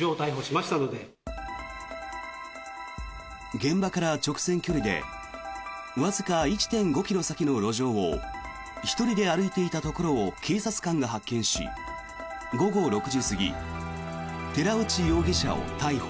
現場から直線距離でわずか１．５ｋｍ先の路上を１人で歩いていたところを警察官が発見し午後６時過ぎ寺内容疑者を逮捕。